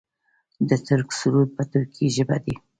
د ترک سرود په ترکۍ ژبه دی.